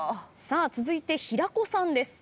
続いて平子さんです。